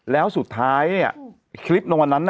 แล้วสุดท้ายคลิปในวันนั้น